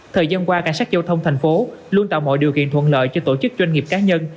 thời gian qua cảnh sát giao thông thành phố luôn tạo mọi điều kiện thuận lợi cho tổ chức doanh nghiệp cá nhân